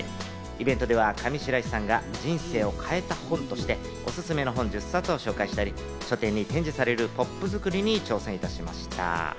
イベントでは上白石さんが人生を変えた本としておすすめの本１０冊を紹介したり、書店に展示されるポップづくりに挑戦しました。